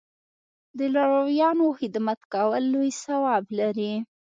د لارویانو خدمت کول لوی ثواب لري.